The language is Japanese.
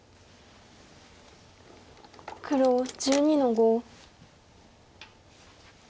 黒１２の五。